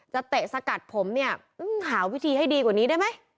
เตะสกัดผมเนี่ยหาวิธีให้ดีกว่านี้ได้ไหม